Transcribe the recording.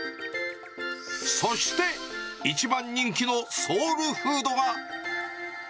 そして、一番人気のソウルフードが。